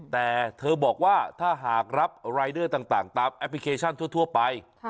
แต่เธอบอกว่าถ้าหากรับรายเดอร์ต่างตามแอปพลิเคชันทั่วไป